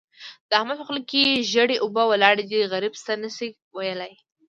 د احمد په خوله کې ژېړې اوبه ولاړې دي؛ غريب څه نه شي ويلای.